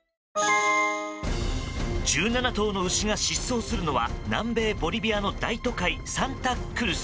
１７頭の牛が疾走するのは南米ボリビアの大都会サンタ・クルス。